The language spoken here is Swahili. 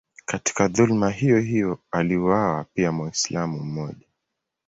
Katika dhuluma hiyohiyo aliuawa pia Mwislamu mmoja.